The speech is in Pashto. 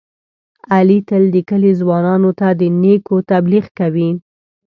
علي تل د کلي ځوانانو ته د نېکو تبلیغ کوي.